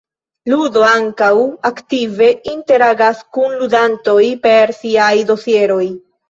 Ludo ankaŭ aktive interagas kun ludantoj per siaj dosieroj.